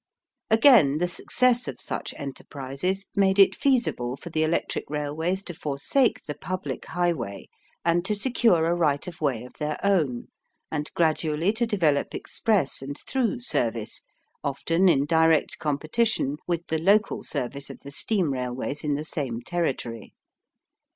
Again the success of such enterprises made it feasible for the electric railways to forsake the public highway and to secure a right of way of their own, and gradually to develop express and through service, often in direct competition with the local service of the steam railways in the same territory.